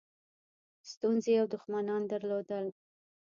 ستونزې او دښمنان درلودل.